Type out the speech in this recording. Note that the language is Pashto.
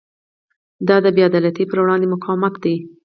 دا د بې عدالتۍ پر وړاندې مقاومت دی.